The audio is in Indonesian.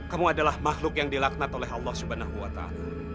kamu adalah makhluk yang dilaknat oleh allah subhanahu wa ta'ala